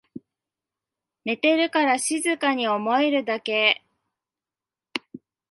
寝てるから静かに思えるだけ